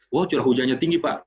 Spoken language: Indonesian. wah curah hujannya tinggi pak